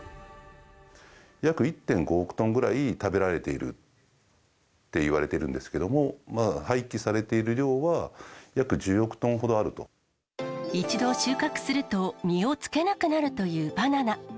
約１．５億トンぐらい食べられているっていわれているんですけれども、廃棄されている量は、一度収穫すると、実をつけなくなるというバナナ。